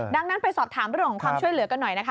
ดังนั้นไปสอบถามเรื่องของความช่วยเหลือกันหน่อยนะคะ